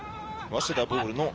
早稲田ボールです。